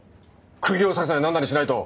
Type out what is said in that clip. くぎを刺すなり何なりしないと。